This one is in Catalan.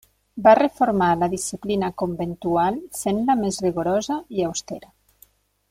Va reformar la disciplina conventual fent-la més rigorosa i austera.